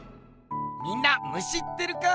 みんなムシってるかい？